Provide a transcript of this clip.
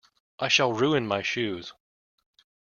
I shall ruin my shoes.